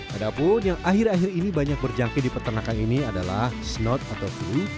adapun yang akhir akhir ini banyak berjangkit di peternakan ini adalah snot atau flu